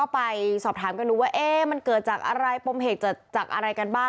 ไปสอบถามกันดูว่ามันเกิดจากอะไรปมเหตุจากอะไรกันบ้าง